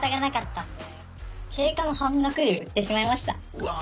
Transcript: うわ。